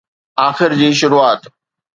آخر جي شروعات؟